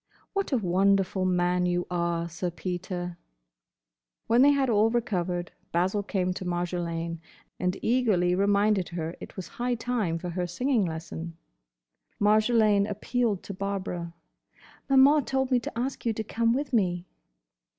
"What a wonderful man you are, Sir Peter!" When they had all recovered, Basil came to Marjolaine and eagerly reminded her it was high time for her singing lesson. Marjolaine appealed to Barbara: "Maman told me to ask you to come with me."